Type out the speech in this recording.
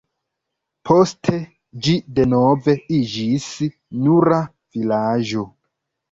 Poste ĝi denove iĝis nura vilaĝo.